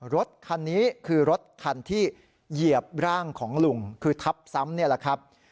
รถคันนี้คือรถคันที่เหยียบร่างของลุงคือทับซ้ำนี่แหละครับ